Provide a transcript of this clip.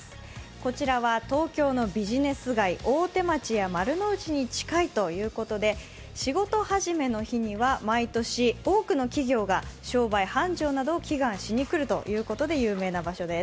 こちらは東京のビジネス街・大手町や丸の内に近いということで仕事始めの日には毎年、多くの企業が商売繁盛などを祈願しに来るという有名な場所です。